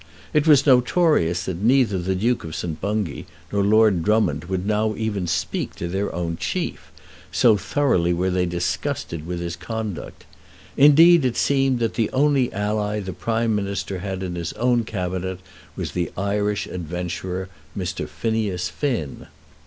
It was notorious that neither the Duke of St. Bungay nor Lord Drummond would now even speak to their own chief, so thoroughly were they disgusted with his conduct. Indeed it seemed that the only ally the Prime Minister had in his own Cabinet was the Irish adventurer, Mr. Phineas Finn.